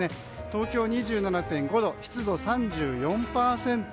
東京、２７．５度、湿度３４％。